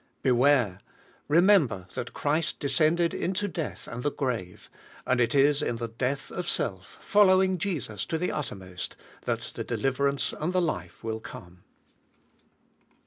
Beware! remember that Christ descended into death and the grave, and it is in the death of self, following Jesus to the uttermost, that the deliverance and the life will come.